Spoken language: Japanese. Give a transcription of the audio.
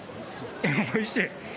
おいしい！